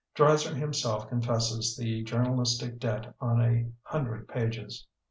Dreiser himself confesses the journalistic debt on a hundred pages.